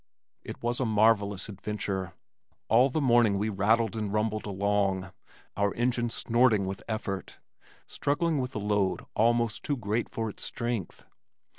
It was a marvellous adventure. All the morning we rattled and rumbled along, our engine snorting with effort, struggling with a load almost too great for its strength.